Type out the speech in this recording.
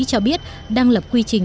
cho biết đang lập quy trình